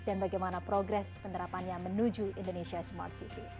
dan bagaimana progres penerapannya menuju indonesia smart city